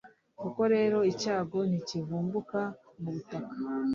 koko rero, icyago ntikivumbuka mu butaka